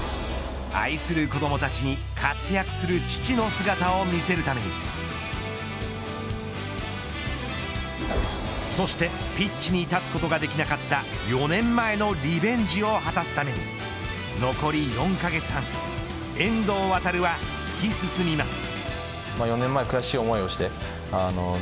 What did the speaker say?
愛する子どもたちに活躍する父の姿を見せるためにそしてピッチに立つことができなかった４年前のリベンジを果たすために残り４カ月半遠藤航は突き進みます。